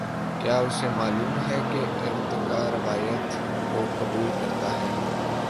کیا اسے معلوم ہے کہ ارتقا روایت کو قبول کرتا ہے۔